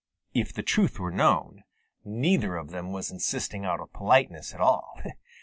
If the truth were known, neither of them was insisting out of politeness at all.